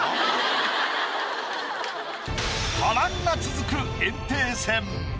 波乱が続く炎帝戦。